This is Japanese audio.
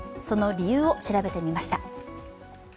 その理由を調べてみました。